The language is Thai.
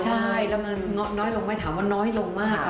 ใช่รับงานน้อยลงไม่ถามว่าน้อยลงมากค่ะ